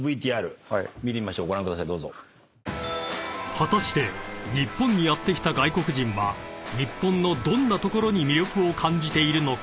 ［果たして日本にやって来た外国人は日本のどんなところに魅力を感じているのか？］